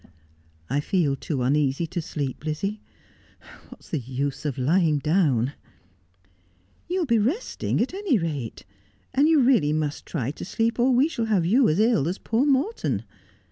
' I feel too uneasy to sleep, Lizzie. What is the use of lying down 1 '' You will be resting, at any rate. And you really must try to sleep, or we shall have you as ill as poor Morton.